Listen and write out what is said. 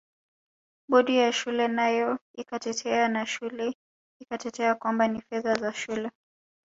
Bodi ya shule nayo ikatetea na shule ikatetea kwamba ni fedha za shule